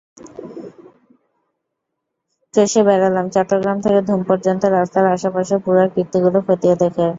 চষে বেড়ালাম চট্টগ্রাম থেকে ধুম পর্যন্ত রাস্তার আশপাশের পুরাকীর্তিগুলো খতিয়ে দেখে।